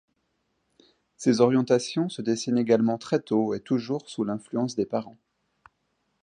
Ces orientations se dessinent également très tôt et toujours sous l’influence des parents.